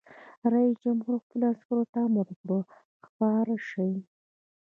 رئیس جمهور خپلو عسکرو ته امر وکړ؛ خپاره شئ!